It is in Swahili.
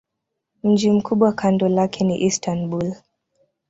Mji mkubwa kando lake ni Istanbul.